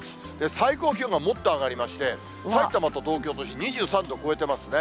最高気温がもっと上がりまして、さいたまと東京都心、２３度超えてますね。